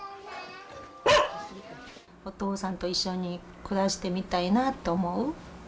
お父さんと一緒に暮らしてみたいなと思う？